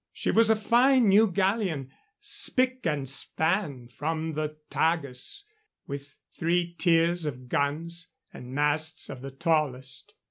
She was a fine new galleon, spick and span from the Tagus, with three tiers of guns, and masts of the tallest.